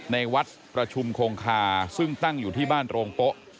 ในวัดประชุมโคงคาซึ่งตั้งอยู่ที่บ้านโรงโป๊ะ